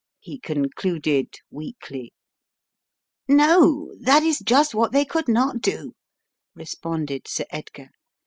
he con cluded weakly. "No, that is just what they could not do," re sponded Sir Edgar.